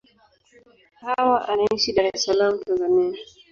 Hawa anaishi Dar es Salaam, Tanzania.